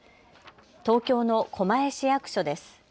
東京の狛江市役所です。